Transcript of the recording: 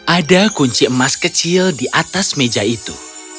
ada kunci emas kecil di atas meja itu